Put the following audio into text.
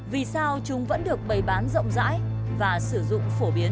vì sao chúng vẫn được bày bán rộng rãi và sử dụng phổ biến